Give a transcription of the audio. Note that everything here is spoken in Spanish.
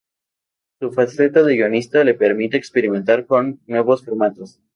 Su faceta de guionista le permite experimentar con nuevos formatos.